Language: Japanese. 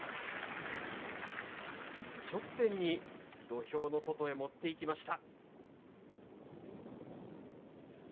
一直線に土俵の外に持っていきました。